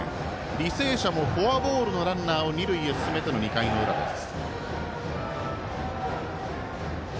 履正社もフォアボールのランナーを二塁へ進めての２回の裏です。